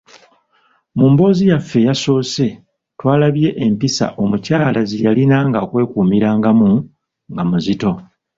Mu mboozi yaffe eyasoose, twalabye empisa omukyala ze yalinanga okwekuumirangamu nga muzito.